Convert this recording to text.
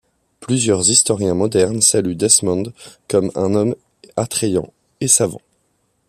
Plusieurs historiens modernes saluent Desmond comme un homme attrayant et savant.